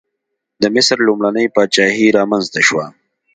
د مصر لومړنۍ پاچاهي رامنځته شوه.